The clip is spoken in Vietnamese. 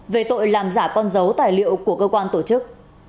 về tội làm giả con dấu tài liệu của cơ quan tổ chức